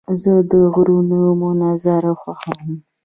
زه د غرونو منظر خوښوم.